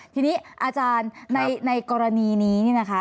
ทีนี้อาจารย์ในกรณีนี้นี่นะคะ